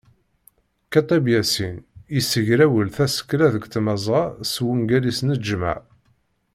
Kateb Yasin yessegrawel tasekla deg Tmazɣa s wungal-is "Neǧma'.